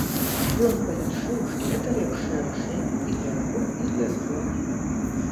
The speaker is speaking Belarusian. Ён палічыў, што гэта лепшае рашэнне і для яго, і для зборнай.